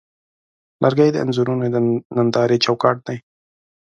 لرګی د انځورونو د نندارې چوکاټ دی.